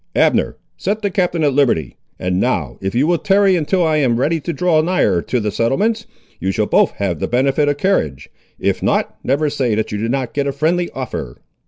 Abner, set the Captain at liberty; and now, if you will tarry until I am ready to draw nigher to the settlements, you shall both have the benefit of carriage; if not, never say that you did not get a friendly offer."